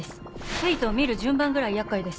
『Ｆａｔｅ』を見る順番ぐらい厄介です。